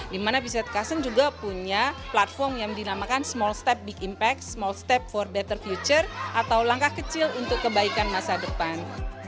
dimana visit custom juga punya platform yang dinamakan small step big impact small step for better future atau langkah kecil untuk kebaikan masa depan